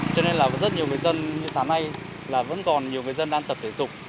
cho nên là rất nhiều người dân như sáng nay là vẫn còn nhiều người dân đang tập thể dục